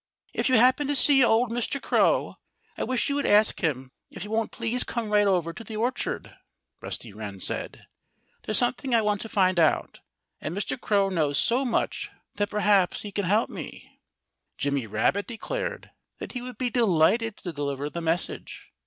"If you happen to see old Mr. Crow, I wish you would ask him if he won't please come right over to the orchard," Rusty Wren said. "There's something I want to find out. And Mr. Crow knows so much that perhaps he can help me." Jimmy Rabbit declared that he would be delighted to deliver the message.